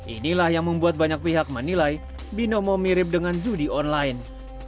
inilah yang membuat banyak pihak menilai binomo mirip dengan judi online